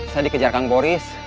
saya dikejar kang boris